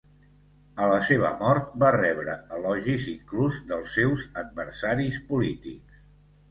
A la seva mort va rebre elogis inclús dels seus adversaris polítics.